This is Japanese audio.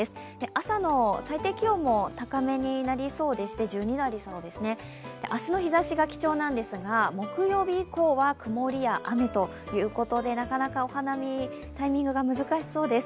朝の最低気温も高めになりそうでして１２度になりそうですね、明日の日ざしが貴重なんですが木曜日以降は曇りや雨ということで、なかなかお花見タイミングが難しそうです。